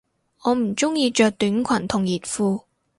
我唔鍾意着短裙同熱褲